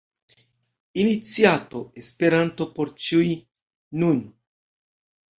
Iniciato Esperanto por ĉiuj – nun!